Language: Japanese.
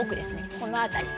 この辺り。